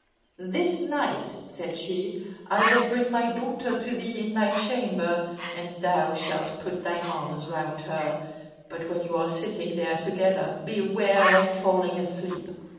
This night," said she, "I will bring my daughter to thee in thy chamber, and thou shalt put thine arms round her, but when you are sitting there together, beware of falling asleep.